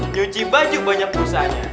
nyuci baju banyak usahanya